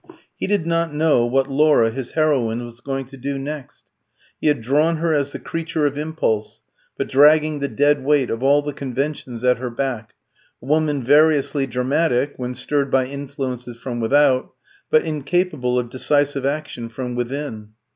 He did not know what Laura, his heroine, was going to do next. He had drawn her as the creature of impulse, but dragging the dead weight of all the conventions at her back a woman variously dramatic when stirred by influences from without, but incapable of decisive action from within.